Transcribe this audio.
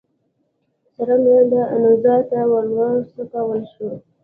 څرنګه انزوا ته وروڅکول شو